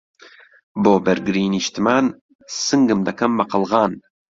بۆ بەرگریی نیشتمان، سنگم دەکەم بە قەڵغان